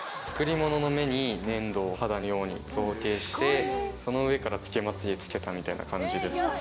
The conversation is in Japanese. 作り物の目に粘土を肌のように造形して、その上から、つけまつげ付けたみたいな感じです。